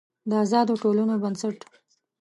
د آزادو ټولنو بنسټ